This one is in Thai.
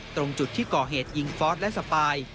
ตรงจุดที่ก่อเหตุยิงฟอสและสปาย